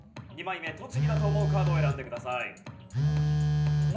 ２枚目栃木だと思うカードを選んでください。